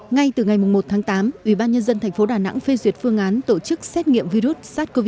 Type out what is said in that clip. ngay từ ngày một tháng tám ubnd tp đà nẵng phê duyệt phương án tổ chức xét nghiệm virus sars cov hai